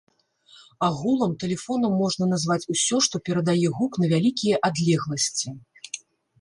Агулам, тэлефонам можна назваць усё, што перадае гук на вялікія адлегласці.